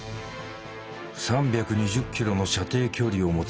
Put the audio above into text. ３２０ｋｍの射程距離を持つ